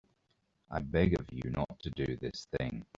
I beg of you not to do this thing.